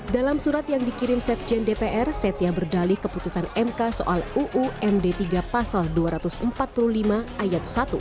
dalam surat yang dikirim sekjen dpr setia berdalih keputusan mk soal uumd tiga pasal dua ratus empat puluh lima ayat satu